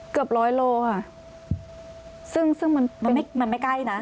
เกือบร้อยโลว่ะค่ะมันไม่ใกล้นะ